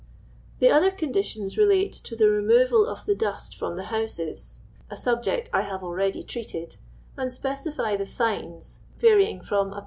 The other conditions relate to the removal of the dust from the houses (a subject I have already treated), and specify the fines, varying from 1